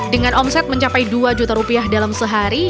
dengan omset mencapai dua juta rupiah dalam sehari